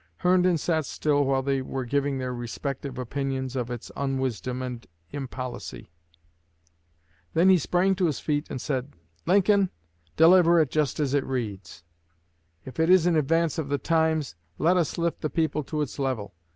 Herndon sat still while they were giving their respective opinions of its unwisdom and impolicy; then he sprang to his feet and said, 'Lincoln, deliver it just as it reads. If it is in advance of the times, let us lift the people to its level.